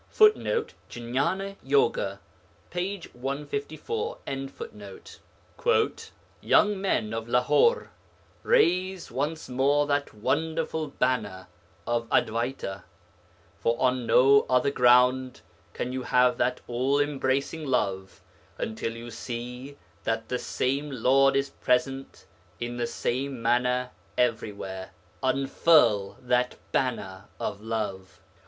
[Footnote: Jnana Yoga, p. 154.] 'Young men of Lahore, raise once more that wonderful banner of Advaita, for on no other ground can you have that all embracing love, until you see that the same Lord is present in the same manner everywhere; unfurl that banner of love.